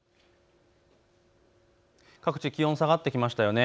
各地、気温下がってきましたよね。